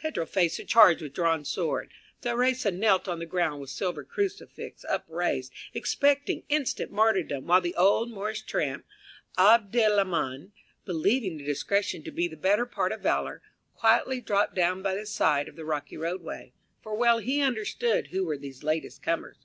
Pedro faced the charge with drawn sword. Theresa knelt on the ground with silver crucifix upraised, expecting instant martyrdom, while the old Moorish tramp, Abd el 'Aman, believing discretion to be the better part of valor, quietly dropped down by the side of the rocky roadway, for well he understood who were these latest comers.